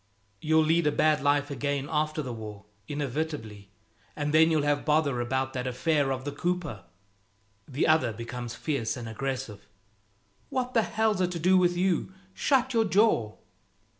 "You'll lead a bad life again after the war, inevitably; and then you'll have bother about that affair of the cooper." The other becomes fierce and aggressive. "What the hell's it to do with you? Shut your jaw!"